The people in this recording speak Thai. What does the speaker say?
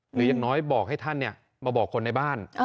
หรือยังน้อยบอกให้ท่านเนี่ยมาบอกคนในบ้าน